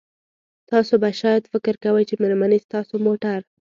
تاسو به شاید فکر کوئ چې میرمنې ستاسو موټر